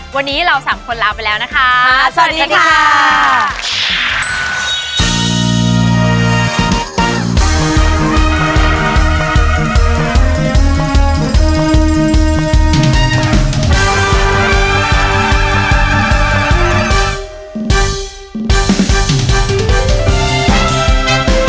วันนี้เราสามคนลาไปแล้วนะคะสวัสดีค่ะ